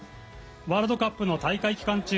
ワールドカップの大会期間中